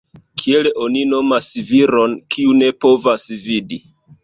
Kiel oni nomas viron, kiu ne povas vidi?